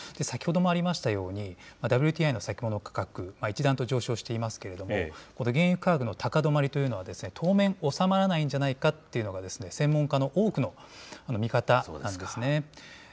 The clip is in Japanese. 先ほどもありましたように、ＷＴＩの先物価格、一段と上昇していますけれども、これ、原油価格の高止まりというのは、当面、収まらないんじゃないかっていうのが、専門家の多くの見方なんですね。